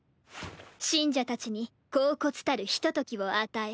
信者たちに恍惚たるひとときを与え